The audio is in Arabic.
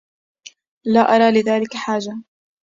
لا أرى لذلك حاجة.